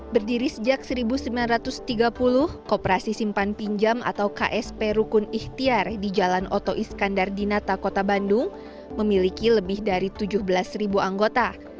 berdiri sejak seribu sembilan ratus tiga puluh kooperasi simpan pinjam atau ksp rukun ikhtiar di jalan oto iskandar di nata kota bandung memiliki lebih dari tujuh belas anggota